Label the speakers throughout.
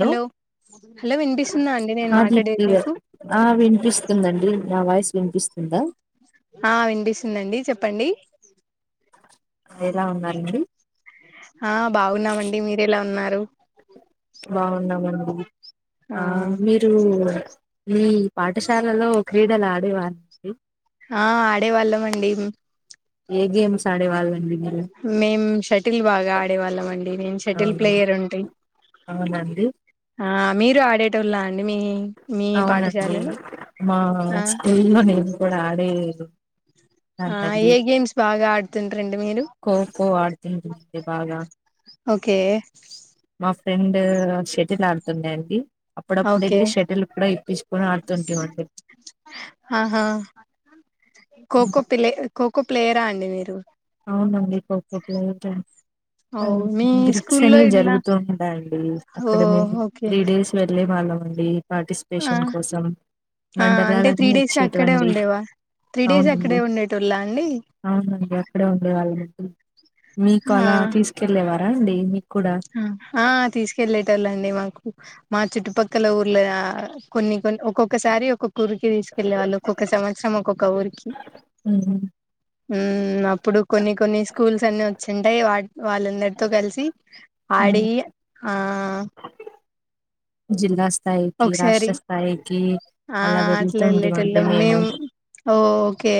Speaker 1: Hello hello వినిపిస్తుందా అండి నేను
Speaker 2: ఆ దీప్తి
Speaker 1: మాట్లాడేది మీకు
Speaker 2: గారు ఆ వినిపిస్తుందండి నా వాయిస్ వినిపిస్తుందా
Speaker 1: ఆ వినిపిస్తుందండి చెప్ప చెప్పండి
Speaker 2: ఎలా ఉన్నారండి
Speaker 1: ఆ బాగున్నామండి మీరు ఎలా ఉన్నారు దొ
Speaker 2: బాగున్నామండి ఆ మీరు ఊ పాఠశాలలో క్రీడలు ఆడేవారాండి
Speaker 1: ఆ ఆడేవాళ్ళం అండి
Speaker 2: ఏ గేమ్స్ ఆడేవాళ్లండి
Speaker 1: మేం షటిల్ బాగా ఆడేవాళ్ళం అండి నేను షటిల్
Speaker 2: అవును
Speaker 1: ప్లేయర్ ఉంటి
Speaker 2: అవునండి
Speaker 1: ఆ మీరు అడేటోల్ల అండి మీ మీ
Speaker 2: అవునండి
Speaker 1: పాఠశాలలో
Speaker 2: మా
Speaker 1: ఆ
Speaker 2: స్కూలో నేను కూడా ఆడే
Speaker 1: ఏ గేమ్స్ బాగా ఆడుతుంటారండి మీరు
Speaker 2: ఖోఖో ఆడుతుంటుండి బాగా
Speaker 1: ఓకే
Speaker 2: రెండు షెటిల్ ఆడుతుండే అండి అప్పుడప్పుడు
Speaker 1: ఓకే
Speaker 2: వెళ్ళి షటిల్ కూడా ఇప్పించుకొని ఆడుతుంటిమండి
Speaker 1: ఖో ఖో ప్లే ఖోఖో ప్లేయరా అండి మీరు
Speaker 2: అవునండి ఖో ఖో ప్లేయర్ ఆ
Speaker 1: అవు మీ
Speaker 2: గ్రిక్స్
Speaker 1: స్కూల్లో
Speaker 2: అని
Speaker 1: ఇట్లా
Speaker 2: జరుగుతుంటాండి
Speaker 1: ఓ
Speaker 2: అక్కడ మేము
Speaker 1: ఓకే
Speaker 2: త్రీ డేస్ వెళ్ళి వాళ్ళమండి. పాటిస్పేషన్
Speaker 1: ఆ
Speaker 2: కోసం
Speaker 1: ఆ అంటే త్రీ
Speaker 2: మండలాలన్నీ
Speaker 1: డేస్ అక్కడే
Speaker 2: వచ్చేట్వండి
Speaker 1: ఉండేవా త్రీ డేస్ అక్కడే
Speaker 2: ఔనండి
Speaker 1: ఉండేటోళ్ళ అండి
Speaker 2: ఔనండి. క్కడే ఉండేవాళ్ మొత్తం. మీకు అలా తీస్కెళ్ళేవా. అ డైలీ.
Speaker 1: హ ఆ తీస్కెళ్లేటోల్లండి మాకు. మా చుట్టుపక్కల ఊర్లె ఆ. కొన్ని కొన్ ఒకొక్. క్కసారి ఒకొక్ కుర్కి దీస్కెళ్ళే వాళ్ళు ఒక్కొక్క సంవత్సరం ఒక్కొక్క ఊరికి.
Speaker 2: మ్మ్
Speaker 1: ఊమ్ అప్ ప్పుడు కొని కొనేస్ కూల్సన్ని వచ్చింటాయ్ వాట్ వాళ్ళందర్తో గల్సి.
Speaker 2: మ్మ్
Speaker 1: ఆడీ ఆ
Speaker 2: జిల్లా స్
Speaker 1: ఒక్సారి ఆ
Speaker 2: అలా వెళ్తుంటిమండి
Speaker 1: అట్లెళ్ళెటొల్లం మేము ఓ ఒకే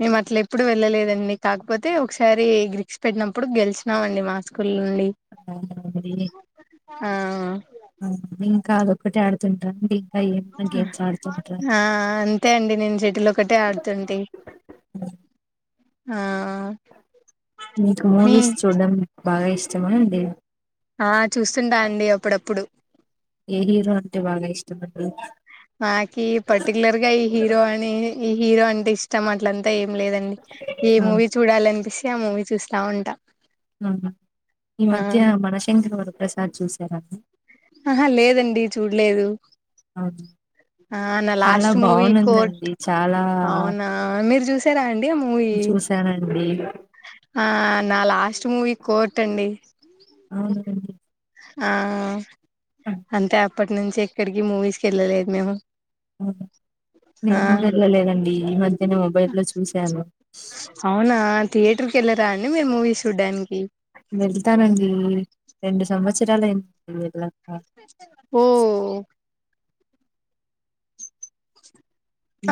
Speaker 1: మేమట్లెప్పుడు వెళ్ళలేద [unintelligible] కాక్పోతే ఒక్సారి గ్రిక్స్ పెట్నప్పుడు గెలిచ్నామండి మా స్కూల్ నుండి.
Speaker 2: అవునండి
Speaker 1: ఆ
Speaker 2: కాదు ఒక్కటె ఆడుతున్.
Speaker 1: [unintelligible] అ ఆ అంతే అండి నేన్ షెటిలొక్కటే ఆడ్తుంటి. ఆ
Speaker 2: నీక్
Speaker 1: మీ
Speaker 2: మూవీస్ చూడ్డం బాగా ఇష్. చ్చమా అండి.
Speaker 1: ఆ చూస్తుంటా అండి అప్పుడప్పుడు.
Speaker 2: ఏ హీరో అంటె బాగా ఇష్టమండి.
Speaker 1: నాకి ఏ హీరో అంటే ఇష్టం అట్లంతా లేదండి ఏ మూవీ చూడాలన్పిస్ [unintelligible] అ మూవి చూస్తా ఉంట.
Speaker 2: అహ ఈ మధ్య మనశంకరవర ప్రసాద్ చూసారా.
Speaker 1: అహ లేదండి చూడ్లేదు.
Speaker 2: ఔను చాలా
Speaker 1: మూవీ కోర్ట్
Speaker 2: బాగునుందండి చాలా.
Speaker 1: తర అండ్ దే మూయి
Speaker 2: చూసానండి
Speaker 1: ఆ నా లాస్ట్ మూవి. కోర్టండి.
Speaker 2: అవును మీమ్
Speaker 1: ఆ అంతె అప్పటి నుంచి ఎక్కడికి మూవీస్కి వెళ్ళలేదు మేము ఆ
Speaker 2: నేను వెళ్ళలేదండి ఈ మధ్యన మొబైల్ లో చూసాను
Speaker 1: అవునా థియేటర్ కెల్ల
Speaker 2: వెళ్తానండి రెండు సంవత్సరాలైంది వెళ్ళ
Speaker 1: హో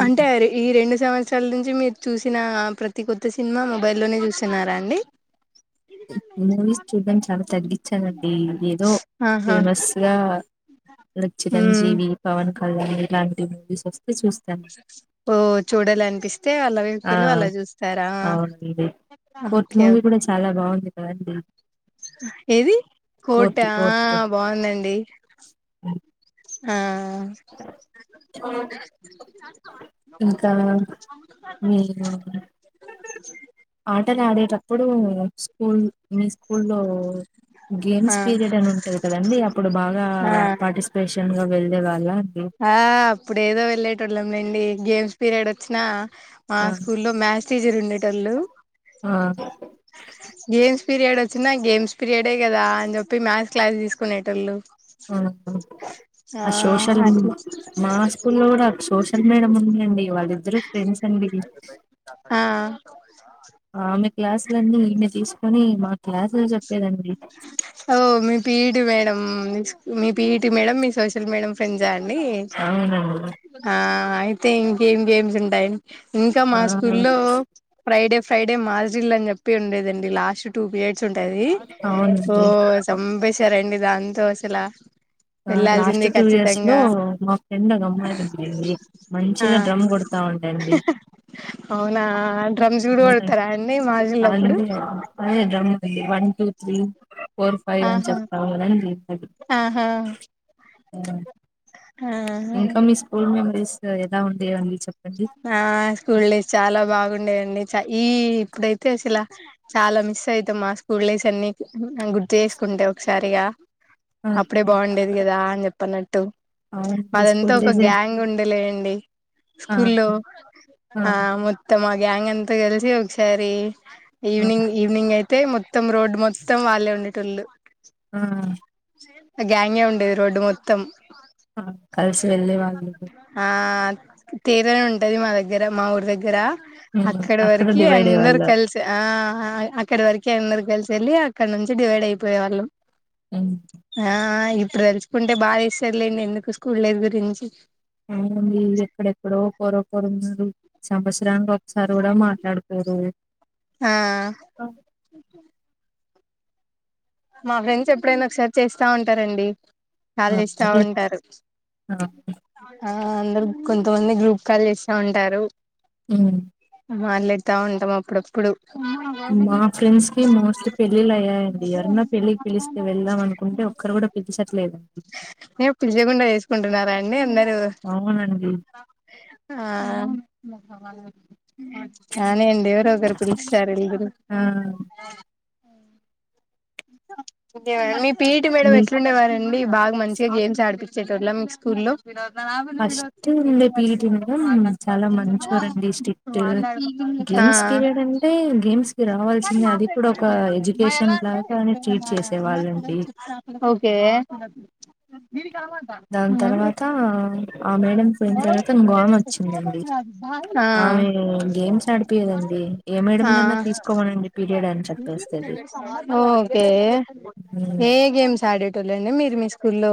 Speaker 1: అంటే ఆ ఈ రెండు సంవ త్సరాల నుంచి మీరు చూసిన ప్రతి కొత్త సినిమా మొబైల్లోనే చూస్తున్నారా అండి
Speaker 2: మూవీస్ చూడం చాలా తగ్గించానండి ఏదో
Speaker 1: ఆహా
Speaker 2: ఫేమస్ గా లైక్
Speaker 1: ఉమ్
Speaker 2: చిరంజీవి పవన్ కళ్యాణ్ ఇలాంటి మూవీస్ ఒస్
Speaker 1: ఓ చూడాలనిపిస్తే అళ్ళ
Speaker 2: ఆ
Speaker 1: వకులు అలా చూస్తారా
Speaker 2: అవునండి కోర్ట్
Speaker 1: ఓకే ఓ
Speaker 2: మూవీ కూడా చాలా బాగుంది కదండి
Speaker 1: ఏది కోర్టు ఆ బాగుందండి ఆ ఆ
Speaker 2: ఇంకా మీ ఆటలు ఆడేటప్పుడు స్కూల్ మీస్ కుళ్ళో
Speaker 1: ఆ
Speaker 2: గేమ్స్ పీరియడ్ అని ఉంటాంది కదండి అప్పుడు బాగా
Speaker 1: ఆ
Speaker 2: పార్టిసిపేష్ గ వెళ్లేవాళ్ళ
Speaker 1: ఆ అప్పుడేదో వెళ్ళేటోళ్ళం మెండి గేమ్స్ పీరియడ్ వచ్చినా మా
Speaker 2: ఆ
Speaker 1: స్కూల్ లో మ్యాక్స్ సిజీర్ ఉండేట్ టోళ్లు
Speaker 2: ఆ
Speaker 1: గేమ్స్ పీరియడ్ వచ్చినా గేమ్స్ పీరియడే కదా అని చెప్పి మ్యాక్స్ క్లాస్ తీసుకునేటోళ్ళు
Speaker 2: ఆహ
Speaker 1: ఆ
Speaker 2: అ సోషల్
Speaker 1: అట్లా
Speaker 2: మా స్కూ లో కూడా సోషల్ మేడం ఉందిండి వాళ్ళిద్దరు ఫ్రెండ్స్ అండి
Speaker 1: ఆ
Speaker 2: ఆమె క్లాసులన్నీ ఈమె తీసుకొని మా క్లాసులు చెప్పేదండి
Speaker 1: అగో మీ పిటి మేడం మీ పిటి మేడం మీ సోషల్ మేడం ఫ్రెండ్స్ ఆయే నెయ్యి
Speaker 2: అవునండి
Speaker 1: ఆ అయితే ఏం గేమ్స్ ఉంటాయి ఇంకా మా
Speaker 2: ఆ
Speaker 1: స్కూల్లో ఫ్రైడే ఫ్రైడే మాల్ జిమ్ అని చెప్పి ఉండేదండి లాస్ట్ టూ పిరియడ్స్ ఉంటాయి ఓ
Speaker 2: అవునండి
Speaker 1: చంపేశారండి దాంతో అసలా
Speaker 2: ఆ లాస్ట్
Speaker 1: వెళ్లాల్సిందే
Speaker 2: టూ ఇయర్స్ లో
Speaker 1: ఖచ్చితంగా
Speaker 2: మా ఫ్రెండ్ ఒక అమ్మాయి ఉందండి
Speaker 1: ఆ
Speaker 2: మంచిగా డ్రమ్ కొడతా ఉంటడి
Speaker 1: అవునా డ్రమ్స్ కూడా
Speaker 2: అవునండి
Speaker 1: కొడతారా అండి
Speaker 2: అ
Speaker 1: మాజీలప్పుడు
Speaker 2: అ అయి డ్రమ్ ఉ one two three four five అని చెప్తాం కదండీ అది
Speaker 1: ఆ
Speaker 2: అ ఇంకా మీ స్కూల్ మెంబర్స్ ఎలా ఉంటే ఏముంది చెప్పు
Speaker 1: ఆ స్కూల్ చాలా బాగుండేదండి ఈ ఈ ఇప్పుడైత అసల చాలా మిస్ అవుతాం మా స్కూల్ లైఫ్ అన్ని గుర్తు చేసుకుంటే ఒకసారిగా
Speaker 2: ఆ
Speaker 1: అప్పుడే బాగుండేది కదా అని చెప్పనట్ట
Speaker 2: అవునండి
Speaker 1: అదంతా
Speaker 2: స్కూల్
Speaker 1: ఒక
Speaker 2: డేస్
Speaker 1: గ్యాంగ్ ఉండేలేయండి
Speaker 2: ఆ
Speaker 1: స్కూల్లో ఆ మొత్తమా గ్యాంగ్ అంతా కలిసి ఒకసారి
Speaker 2: ఆ
Speaker 1: ఈవనింగ్ ఈవనింగ్ అయితే అయితే మొత్తం రోడ్డు మొత్తం వాళ్ళే ఉండేటళ్ళు
Speaker 2: ఆ
Speaker 1: గ్యాంగే ఉండేది రోడ్డు మొత్తం
Speaker 2: కలిసి వెళ్ళే వాళ్ళ
Speaker 1: ఆ తేరని ఉంటుది మా దగ్గర మా ఊరి దగ్గర
Speaker 2: ఉమ్
Speaker 1: అక్కడి
Speaker 2: అక్కడ
Speaker 1: వరకి
Speaker 2: డివైడ్
Speaker 1: అందరు
Speaker 2: అయ్యేవాళ్ళ
Speaker 1: కలిసి ఆ ఆ అక్కడి వరకు అందరు కలిసి వెళ్ళి అక్కడ నుంచి డివైడ్ అయిపోయే వాళ్ళం
Speaker 2: ఉమ్
Speaker 1: ఆ ఇ ఇప్పుడు తెలుచుకుంటే బాగా ఇస్తారులేండి ఎందుకు స్కూల్ లేదు గురించి
Speaker 2: ఆ మీ ఎక్కడెక్కడో పపర్ మలు శబస్రాంగ సార్ కూడా మాట్లాడుకు ఎవరు
Speaker 1: ఆ మా ఫ్రెండ్స్ ఎప్పుడైనా ఒకసారి చేస్తా ఉంటారండి కాల్ చేస్తా
Speaker 2: ఆ
Speaker 1: ఉంటారు
Speaker 2: ఆ
Speaker 1: ఆ అందరు కొంతమంది గ్రూప్ కాల్ చేస్తా ఉంటారు
Speaker 2: హ్మ్
Speaker 1: మాట్లాతా ఉంటాం అప్పుడప్పుడు
Speaker 2: మా ఫ్రెండ్స్ కి మోస్ట్లీ పెళ్ళిళ్ళ అయ్యాయండి అరునత్ పెళ్లికి పిలిస్తే వెళ్దాం అనుకుంటే ఒక్కరు కూడా పిలిచట్లేదండి
Speaker 1: కుంటున్నారా అండి
Speaker 2: అవునండి
Speaker 1: ఆ కావలి అవునండి ఎవరు ఒకరు పిలిస్తారు వెల్దురు
Speaker 2: ఆ
Speaker 1: మీ పీటి మేడం
Speaker 2: మీ
Speaker 1: ఎట్లుండేవారే ఉండి బాగా మంచిగా గేమ్స్ ఆడిపించేటోల్లం మీకు స్కూల్ల్లో
Speaker 2: ఫస్ట్ ఉండే పీయిటి మేడం చాలా మంచోరండి స్ట్రిక్ట్ గేమ్స్
Speaker 1: ఆ
Speaker 2: పీరియడ్ అంటే గేమ్స్ కి రావాల్సిందే అది కూడా ఒక ఎడ్యుకేషన్ లాగ అని
Speaker 1: ఓకే
Speaker 2: దాని తర్వాత ఆ మేడం పోయిన తర్వాత ఇంగో మేడం వచ్చిందండి
Speaker 1: ఆ
Speaker 2: ఆమె గేమ్స్ ఆడిపీయదండి ఏ
Speaker 1: ఆ
Speaker 2: మేడంనన్నా తీసుకోమనండి పీరియడ్ అని చెప్పెస్టది చెప్పేస్తది
Speaker 1: ఏ
Speaker 2: హ్మ్
Speaker 1: ఏ ఏ గేమ్స్ ఆడేటోళ్ళండి మీరు మీ స్కూల్లో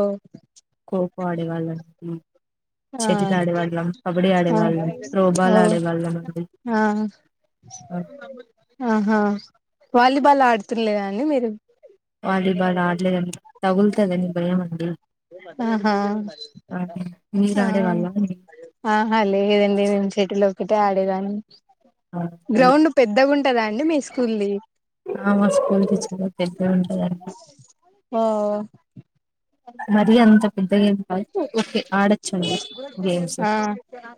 Speaker 2: కోకో ఆడేవాళ్ళం
Speaker 1: ఆ
Speaker 2: షటిల్ ఆడేవాళ్ళం కబడ్డీ
Speaker 1: అ
Speaker 2: ఆడేవాళ్ళం త్రోబాల్
Speaker 1: ఓ
Speaker 2: ఆడేవాళ్ళం అండి
Speaker 1: ఆ ఆహా వాలీబాల్ ఆడుతుర్లేద అండి మీరు
Speaker 2: వాలీబాల్ ఆడలేదండి తగుల్తదని భయం అండి
Speaker 1: ఆహా
Speaker 2: మీరు
Speaker 1: ఆ
Speaker 2: ఆడేవాళ్ళ అండి
Speaker 1: ఆహా లేదండి నేన్ చెటిల్ ఒక్కటే ఆడేదాన్ని గ్రౌండ్ పెద్దగా ఉంటదా అండి మీ స్కూల్ది
Speaker 2: మా స్కూల్ కి చాలా పెద్దగా ఉంటదండి
Speaker 1: ఓ
Speaker 2: మరి అంత పెద్దగెం గేమ్స్
Speaker 1: ఆ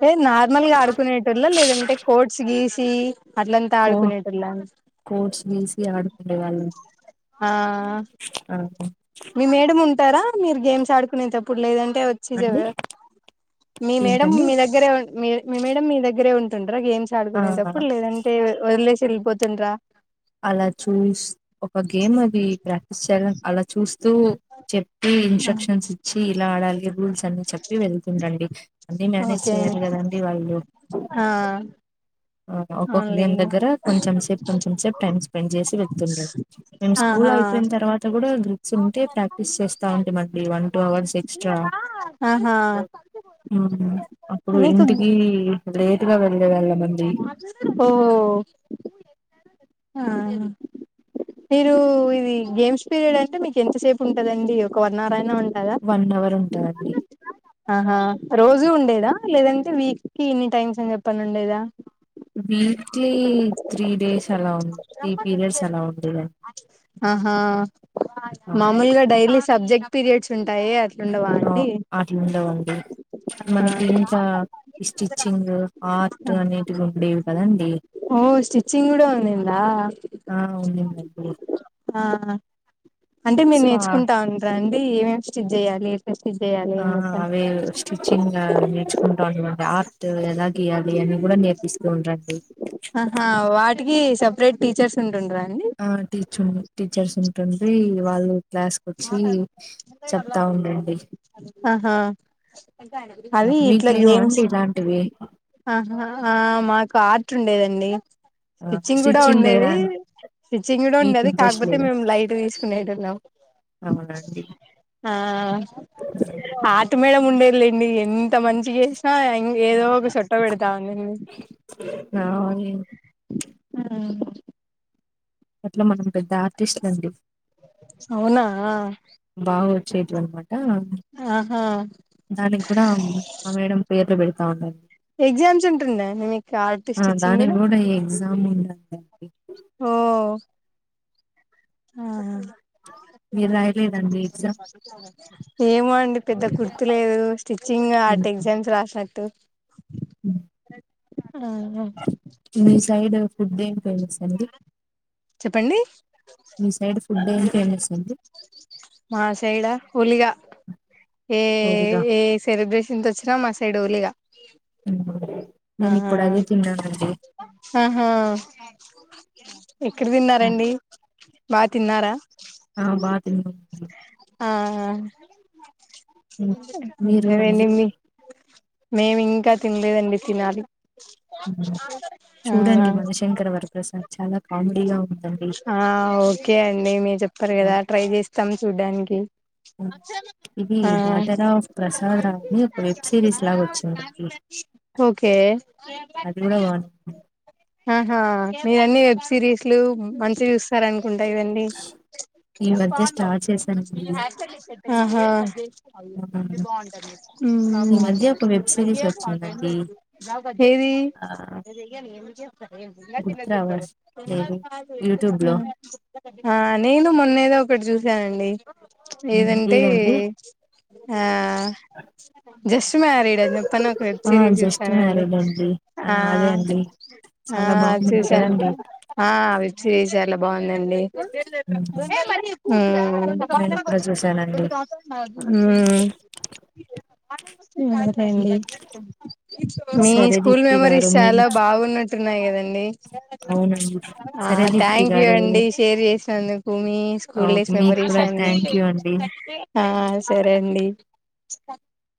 Speaker 1: ఏ నార్మల్గా ఆడుకునేటోళ లేదంటే కోట్స్ గీట్స్ తీ
Speaker 2: కో కోచ్ తీసి ఆడుకునే వాళ్ళు
Speaker 1: ఆ మీ మేడమ్ ఉంటారా మీరు గేమ్స్ ఆడుకునేంతప్పుడు లేదం టే వచ్చి
Speaker 2: అండి
Speaker 1: మీ మేడం
Speaker 2: ఏంటండి
Speaker 1: మీ దగ్గరే మీ మేడం మీ దగ్గరే ఉంట టర గేమ్స్
Speaker 2: ఆ
Speaker 1: ఆడుకునేప్పుడు లేదంటే వదిలేసి వెళ్ళిపోతున్రా
Speaker 2: అలా చూస్ ఒక గేమ్ అది ప్రాక్టీస్ చేయాలని అలా చూస్తూ చెప్పి ఇన్స్ట్రక్షన్స్ ఇచ్చి ఇలా ఆడాలి [unintelligible] అన్ని చెప్పి వెళ్తుండండి అన్నీ మేనేజ్
Speaker 1: ఓకే
Speaker 2: చేయాలి కదండి వాళ్ళు
Speaker 1: ఆ
Speaker 2: ఆ ఒక్కొక్క గేమ్
Speaker 1: అవునులేండి
Speaker 2: దగ్గర కొంచెం సేపు కొంచెం సేపు టైమ్ స్పెండ్ చేసి వెళ్తుండది మేము స్కూల్
Speaker 1: ఆహా
Speaker 2: అయిపోయిన తర్వాత కూడా గ్రూప్ స ఉంటే ప్రాక్టీస్ చేస్తా ఉంటే మళ్ళీ వన్ టూ అవర్స్ ఎక్స్ట్రా
Speaker 1: ఆహా
Speaker 2: అప్పుడు
Speaker 1: మీకు
Speaker 2: ఇంటికి లేట్గా వెళ్ళేవాళ్ళమండి.
Speaker 1: ఓ ఆ మీరు ఇది గేమ్స్ పీరియడ్ అ అంటే మీకు ఎంతసేపు ఉంటదండి ఒక వన్ అవర్ అయినా ఉ కదా
Speaker 2: వన్ అవర్ ఉంటదండి
Speaker 1: ఆహా రోజూ ఉండేది దా లేదంటే వీక్ కి ఇన్ని టైమ్స్ అని చెప్పి అనుండేదా
Speaker 2: వీక్లీ త్రీ డేస్ అలా ఉ త్రీ పీరియడ్స్ అలా ఉండేదండి
Speaker 1: ఆహా మామూలుగా డైలీ సబ్జెక్ట్ పీరియడ్స్ ఉం
Speaker 2: ఆ అట్లు ఉండవండి
Speaker 1: ఆహా
Speaker 2: మనకి ఇంకా స్టిచ్చింగ్ ఆర్ట్ అనేటివి ఉండేవి కదండి
Speaker 1: ఓ స్టిచ్చింగ్ కూడా ఉందిందా
Speaker 2: ఆ ఉండిందండి
Speaker 1: ఆ అంటే మీరు
Speaker 2: సో
Speaker 1: నేర్చుకుంటా ఉంటార అంటే ఏమేం స్టిచ్ చేయాలి స్టిచ్ చేయాలి
Speaker 2: ఆ
Speaker 1: అని చెప్పని
Speaker 2: అవే స్టిచ్చింగ్ నేర్చుకుంటా ఉండండి ఆర్ట్ ఎలాగీయాలి అని కూడా నేర్పిస్తూ ఉండండి.
Speaker 1: వీటికి సపరేట్ టీచర్స్ ఉంటుండరా
Speaker 2: ఆ టీచర్ టీచర్స్ ఉంటుంది వాళ్ళు క్లాస్కి వచ్చి చెప్తా ఉండండి
Speaker 1: ఆహా అవి
Speaker 2: మీకు
Speaker 1: ఇట్లా
Speaker 2: లేవా
Speaker 1: గేమ్స్
Speaker 2: అండి ఇలాంటివి
Speaker 1: ఆహా ఆ మాకు ఆర్ట్ ఉండేదండి
Speaker 2: ఆ!
Speaker 1: స్టిచ్చింగ్ కూడా
Speaker 2: లేదా
Speaker 1: ఉండేది
Speaker 2: అండి?
Speaker 1: స్టిచ్చింగ్ కూడా
Speaker 2: మీకు
Speaker 1: ఉండేది
Speaker 2: ఇంట్రెస్ట్
Speaker 1: కాకపోతే
Speaker 2: లేదా
Speaker 1: మేము లైట్ తీసుకునేటోళ్ళం.
Speaker 2: అవునండి
Speaker 1: ఆ ఆర్ట్ మేడం ఉండేది. లేండి ఎంత మంచి చేసినా ఏదో ఒక సొట్టు
Speaker 2: ఆ
Speaker 1: హ్మ్
Speaker 2: అట్లా మనం పెద్ద ఆర్టిస్ట్ లండి
Speaker 1: అవునా
Speaker 2: చేయిట్వన మాట ట
Speaker 1: ఆహా
Speaker 2: దానికి కూడా ఆ మేడమ్ పేర్లు పేడ్ అవునండి
Speaker 1: ఎగ్జామ్స్ ఉంటుంన్నాయి నీకు ఆర్ట్
Speaker 2: ఆ
Speaker 1: స్టిచ్చింగ్
Speaker 2: దానికి
Speaker 1: కూడా
Speaker 2: ఈ ఎగ్జామ్ ఉందండి
Speaker 1: ఆ ఆహా
Speaker 2: మీరు రాయలేదండి ఎగ్జామ్
Speaker 1: ఏమో అండి పెద్ద కుర్తు లేదు స్టిచ్చింగ్ అటు
Speaker 2: హ్మ్.
Speaker 1: ఎగ్జామ్స్ రాసినట్టు
Speaker 2: హ్మ్.
Speaker 1: ఆహా
Speaker 2: మీ సైడ్ ఫుడ్ ఎం ఫెమస్ అండి
Speaker 1: చెప్పండి
Speaker 2: మీసైడ్ ఫుడ్ ఎం ఎం చేస్తుండు
Speaker 1: మా సైడా ఫుల్ల్గా ఏ
Speaker 2: ఓడిగా
Speaker 1: ఏ సెలబ్రేషన్స్ వచ్చినా మస్త్ తెడవులిగా
Speaker 2: హ్మ్ నేను ఇప్పుడా అదే తిన్నా
Speaker 1: ఆహా ఆ ఎక్కడ
Speaker 2: హ్మ్.
Speaker 1: తిన్నారండి బా తిన్నారా
Speaker 2: ఆ బాగా తిన్నాను
Speaker 1: ఆహా
Speaker 2: మీరు అండి
Speaker 1: నువ్వెళ్ళింది మేం ఇంకా తిన్లేదండి తినాలి ఆ
Speaker 2: చూడండి మన శంకర వర ప్రసాద్ చాలా కామెడీగా ఉందండి
Speaker 1: ఆ ఓకే అండి మీర్ చెప్పారు
Speaker 2: ఆ!
Speaker 1: కదా ట్రై చేస్తాం చూడ్డానికి
Speaker 2: హ్మ్. ఇది
Speaker 1: ఆ
Speaker 2: డాటర్ ఆఫ్ ప్రసాద్ రావు అని ఒక వెబ్ సిరీస్ లాగా వచ్చిందండి
Speaker 1: ఒకే
Speaker 2: అది కూడా బాగుంది
Speaker 1: అహ మీక్ ఎన్నీ సిరీస్ లు మంచి చూస్తార అనుకుంటా కదండిా
Speaker 2: ఈ మధ్య స్టార్ట్ చేశానండి
Speaker 1: అహా
Speaker 2: ఆ, ఈ మధ్య ఒక వెబ్ సిరీస్ వచ్చిందండి
Speaker 1: అవు ఏవి
Speaker 2: ఆ
Speaker 1: నది
Speaker 2: గుర్తు
Speaker 1: నదీదవ [inaudible]
Speaker 2: రావట్లేదు యూట్యూబ్ లో
Speaker 1: హా నేను మెన్న ఏదో ఒక చూసానండి లేదంటే
Speaker 2: ఏదండి
Speaker 1: ఆ జస్ట్ మారీడ్ చెప్పను ఒక వెబ్
Speaker 2: ఆ
Speaker 1: సిరీస్
Speaker 2: జస్ట్
Speaker 1: చూసాను అండి
Speaker 2: మ్యారీడ్
Speaker 1: ఆ
Speaker 2: అదే అండి
Speaker 1: ఆ
Speaker 2: చాలా బాగుంది
Speaker 1: చూసాను
Speaker 2: కదండి
Speaker 1: ఆ విచ్చి విసాల బాగు అవునండి ఉమ్
Speaker 2: నేను కూడా చూసానండి
Speaker 1: అనను అదేండి మీ
Speaker 2: సరే
Speaker 1: స్కూల్
Speaker 2: దీప్తి గారు
Speaker 1: మెమరీస్
Speaker 2: మీరు
Speaker 1: చాల బాగున్నట్టు తున్నాయి కదండి [inaudible]
Speaker 2: అవునండి
Speaker 1: ఆ
Speaker 2: సరే దీప్తి
Speaker 1: థ్యాంక్ యూ
Speaker 2: గారు
Speaker 1: అండి షేర్ చేసినందుకు మి
Speaker 2: ఆ,
Speaker 1: స్కూల్ డేస్
Speaker 2: మీకు
Speaker 1: మెమరీస్
Speaker 2: కూడా
Speaker 1: అన్ని
Speaker 2: థ్యాంక్ యూ అండి
Speaker 1: ఆ సరే అండి చుప